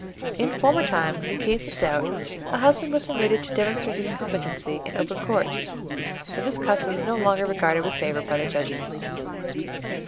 In former times in case of doubt a husband was permitted to demonstrate his competency in open court, but this custom is no longer regarded with favour by the judges.